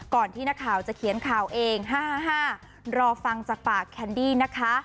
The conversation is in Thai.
ที่นักข่าวจะเขียนข่าวเอง๕๕รอฟังจากปากแคนดี้นะคะ